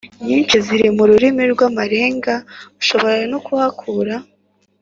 nyinshi ziri mu rurimi rw amarenga Ushobora no kuhakura